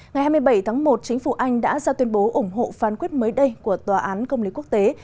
ngày hai mươi bảy tháng một chính phủ anh đã ra tuyên bố ủng hộ phán quyết mới đây của tòa án công lý quốc tế